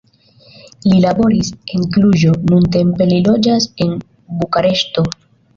Li laboris en Kluĵo, nuntempe li loĝas en Bukareŝto.